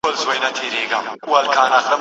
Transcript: د زړه سر جانان مي وايي چي پر سرو سترګو مین دی